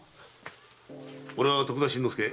俺は徳田新之助。